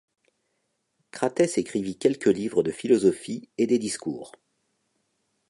Cratès écrivit quelques livres de philosophie et des discours.